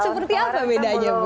seperti apa bedanya bu